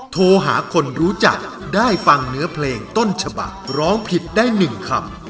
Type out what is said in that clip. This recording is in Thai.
โทรหาคนรู้จักได้ฟังเนื้อเพลงต้นฉบักร้องผิดได้๑คำ